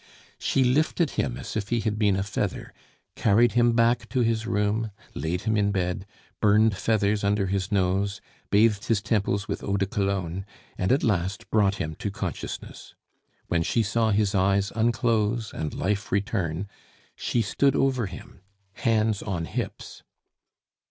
She lifted him as if he had been a feather, carried him back to his room, laid him in bed, burned feathers under his nose, bathed his temples with eau de cologne, and at last brought him to consciousness. When she saw his eyes unclose and life return, she stood over him, hands on hips.